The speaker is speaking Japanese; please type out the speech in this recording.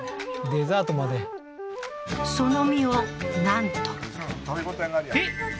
デザートまでその実をなんとえっ？